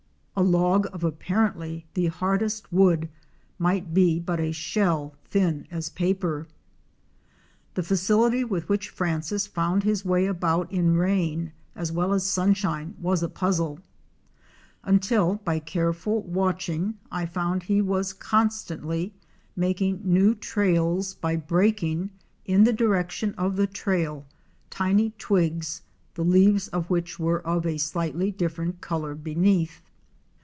A log of apparently the hardest wood might be but a shell thin as paper. The facility with which Francis found his way about in rain as well as sunshine was a puzzle, until by careful watching I found he was con stantly making new trails by breaking, in the direction of the trail, tiny twigs, the leaves of which were of a slightly different color beneath.